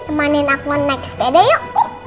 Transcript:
temanin akun naik sepeda yuk